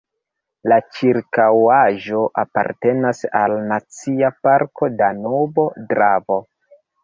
La ĉirkaŭaĵo apartenas al Nacia parko Danubo-Dravo.